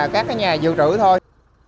các nhà dự trữ thôi